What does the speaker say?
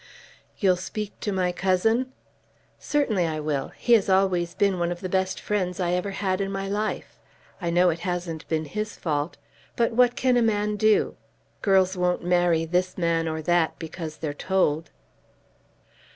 "You'll speak to my cousin?" "Certainly I will. He has always been one of the best friends I ever had in my life. I know it hasn't been his fault. But what can a man do? Girls won't marry this man or that because they're told."